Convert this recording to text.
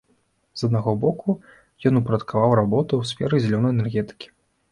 З аднаго боку, ён упарадкаваў работу ў сферы зялёнай энергетыкі.